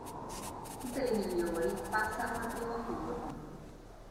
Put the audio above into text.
Tutte le migliori passano il primo turno.